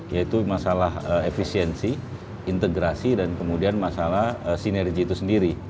yaitu masalah efisiensi integrasi dan kemudian masalah sinergi itu sendiri